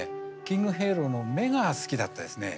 キングヘイローの目が好きだったですね。